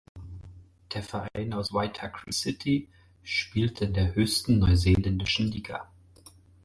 Der Verein aus Waitakere City spielte in der höchsten neuseeländischen Liga.